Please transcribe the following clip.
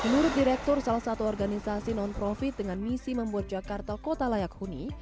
menurut direktur salah satu organisasi non profit dengan misi membuat jakarta kota layak huni